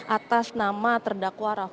atas nama terdakwa rafael alun trisambodo